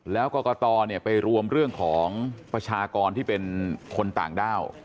แล้วกรกตไปรวมเรื่องของประชากรที่เป็นคนต่างด้าว